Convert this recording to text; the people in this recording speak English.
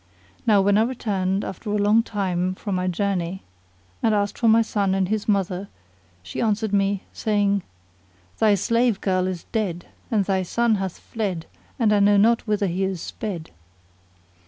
Now when I returned after a long time from my journey and asked for my son and his mother, she answered me, saying "Thy slave girl is dead, and thy son hath fled and I know not whither he is sped."